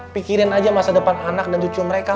pikirin aja masa depan anak dan cucu mereka